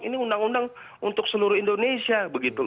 ini undang undang untuk seluruh indonesia